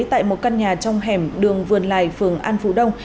tại một căn nhà trong hẻm đường vườn lài phường an phú đông